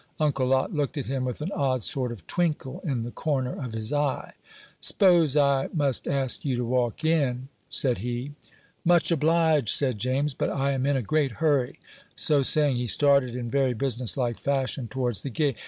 Uncle Lot looked at him with an odd sort of twinkle in the corner of his eye. "'Spose I must ask you to walk in," said he. "Much obliged," said James; "but I am in a great hurry." So saying, he started in very business like fashion towards the gate.